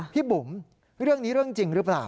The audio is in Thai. บุ๋มเรื่องนี้เรื่องจริงหรือเปล่า